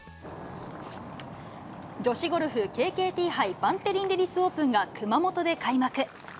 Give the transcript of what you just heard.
女子ゴルフ、ＫＫＴ杯バンテリンレディスオープンが熊本で開幕。